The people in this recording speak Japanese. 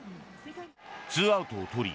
ツーアウトをとり